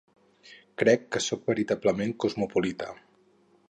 Crec que sóc veritablement cosmopolita.